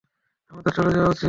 আমাদের চলে যাওয়া উচিত।